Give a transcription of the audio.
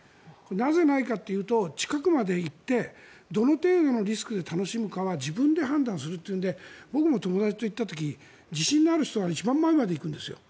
なぜないかというと近くまで行ってどの程度のリスクで楽しむかは自分で判断するというので僕も友達といった時自信のある人は一番前まで行くんです。